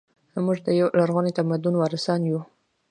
موږ د یو لرغوني تمدن وارثان یو